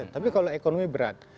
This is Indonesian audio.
tapi kalau ekonomi berat